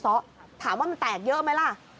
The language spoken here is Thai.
้อะถามว่ามันแตกเยอะไหมล่ะ